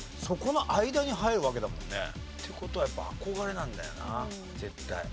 そこの間に入るわけだもんね。って事はやっぱ憧れなんだよな絶対。